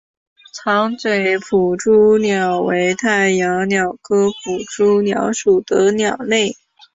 长嘴捕蛛鸟为太阳鸟科捕蛛鸟属的鸟类。